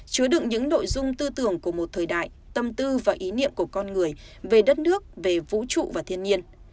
chứa đựng những nội dung tư tưởng của một thời đại tâm tư và ý niệm của con người về đất nước về vũ trụ và thiên nhiên